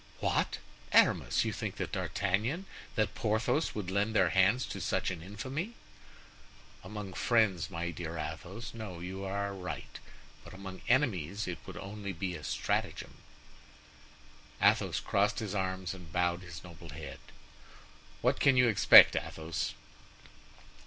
"What! Aramis, you think that D'Artagnan, that Porthos, would lend their hands to such an infamy?" "Among friends, my dear Athos, no, you are right; but among enemies it would be only a stratagem." Athos crossed his arms and bowed his noble head. "What can you expect, Athos?